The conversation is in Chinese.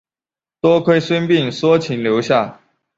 多亏孙膑说情留下。